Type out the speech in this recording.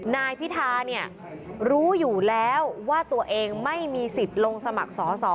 นายพิธาเนี่ยรู้อยู่แล้วว่าตัวเองไม่มีสิทธิ์ลงสมัครสอสอ